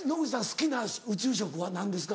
好きな宇宙食は何ですか？